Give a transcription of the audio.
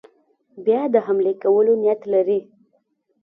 بیا د حملې کولو نیت لري.